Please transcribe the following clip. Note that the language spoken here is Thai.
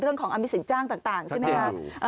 เรื่องของอมิสินจ้างต่างใช่ไหมคะ